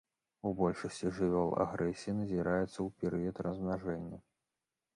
У большасці жывёл агрэсія назіраецца ў перыяд размнажэння.